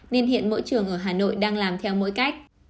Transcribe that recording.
nên hiện mỗi trường ở hà nội đang làm theo mỗi cách